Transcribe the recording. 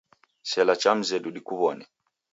Sela cha mzedu dikuw'one.